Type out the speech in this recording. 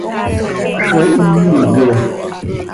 Zo him iiye.